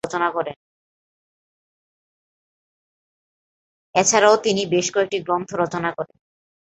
এছাড়াও তিনি বেশ কয়েকটি গ্রন্থ রচনা করেন।